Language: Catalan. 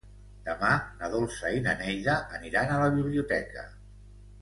Demà na Dolça i na Neida aniran a la biblioteca.